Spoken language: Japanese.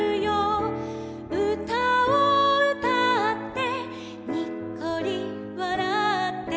「うたをうたってにっこりわらって」